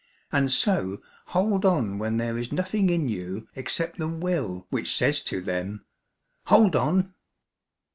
And so hold on when there is nothing in you Except the Will which says to them: 'Hold on!'